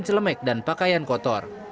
celemek dan pakaian kotor